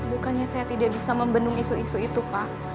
bukannya saya tidak bisa membendung isu isu itu pak